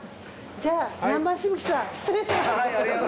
じゃあ南蛮渋木さん失礼します。